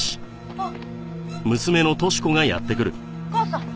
あっ！